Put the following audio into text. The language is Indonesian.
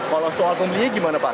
kalau soal tentunya gimana pak